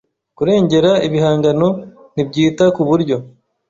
Kurengera igihangano ntibyita ku buryo